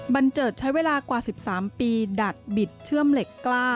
เจิดใช้เวลากว่า๑๓ปีดัดบิดเชื่อมเหล็กกล้า